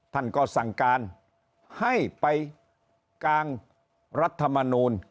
ท่านก็สั่งการให้ไปกางรัฐมนูล